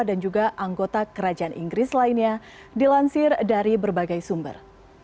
dan juga anggota kerajaan inggris lainnya dilansir dari berbagai sumber